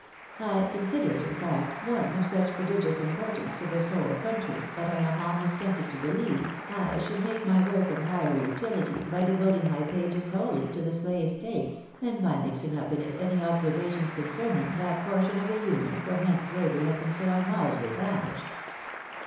I con sider it, in fact, one Of such prodigious importance to this noble country, that I am almost tempted to believe I should make my work of higher utility by devoting my pages wholly to the Slave States, than by mixing up in it any observations concerning that ortion of the Union from whence slavery has been so unwisely anished.